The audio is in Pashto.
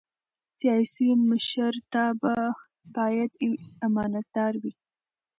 سیاسي مشرتابه باید امانتدار وي